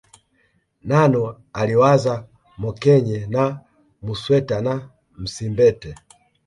Nano aliwazaa Mokenye na Musweta na Msimbete